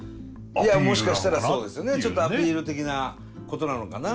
いやもしかしたらそうですねちょっとアピール的なことなのかな。